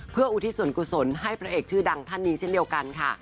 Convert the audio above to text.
เพื่ออุทิศส่วนกุศลให้พระเอกชื่อดังท่านนี้เช่นเดียวกันค่ะ